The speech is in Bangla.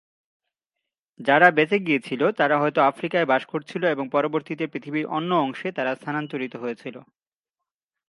যারা বেঁচে গিয়েছিল তারা হয়তো আফ্রিকায় বাস করছিল এবং পরবর্তীতে পৃথিবীর অন্য অংশে তারা স্থানান্তরিত হয়েছিল।